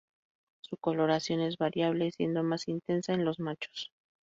Su coloración es variable, siendo más intensa en los machos.